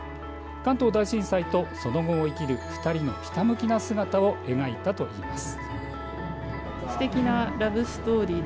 関東大震災とその後を生きる２人のひたむきな姿を描いたといいます。